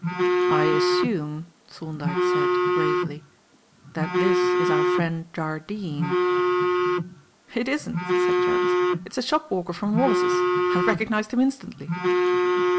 "I assume," Thorndyke said, gravely, "that this is our friend Jardine." "It isn't," said Jervis. "It's the shopwalker from Wallis's. I recognized him instantly."